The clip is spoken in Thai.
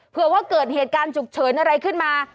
เผื่อว่าเกิดเหตุการณ์ฉุกเฉินอะไรขึ้นมา